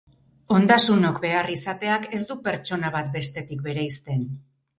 Ondasunok behar izateak ez du pertsona bat bestetik bereizten.